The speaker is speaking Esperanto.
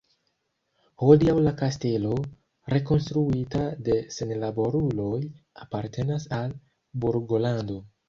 Hodiaŭ la kastelo, rekonstruita de senlaboruloj, apartenas al Burgolando.